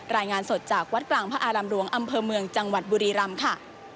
รายงานสดจากวัดกลางพระอารามหลวงอำเภอเมืองจังหวัดบุรีรำค่ะ